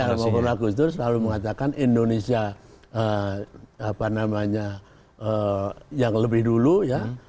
ya al makurlah kudus selalu mengatakan indonesia apa namanya yang lebih dulu ya